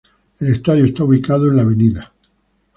El estadio está ubicado en el Av.